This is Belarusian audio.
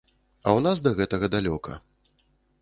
А ў нас да гэтага далёка.